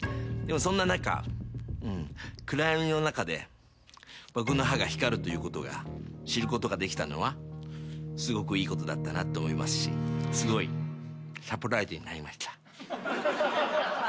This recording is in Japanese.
でもそんな中暗闇の中で僕の歯が光るということが知ることができたのはすごくいいことだったなって思いますしすごいサプライズになりました。